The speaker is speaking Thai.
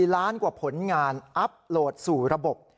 ล้านกว่าผลงานอัพโหลดสู่ระบบ